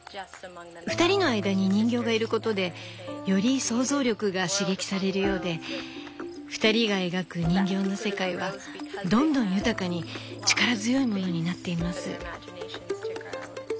２人の間に人形がいることでより想像力が刺激されるようで２人が描く人形の世界はどんどん豊かに力強いものになっています。